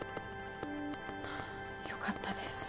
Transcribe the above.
よかったです。